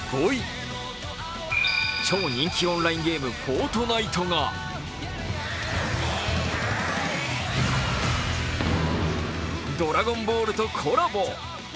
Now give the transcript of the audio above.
超人気オンラインゲーム「フォートナイト」が「ドラゴンボール」とコラボ。